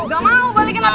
gak mau balikin api gue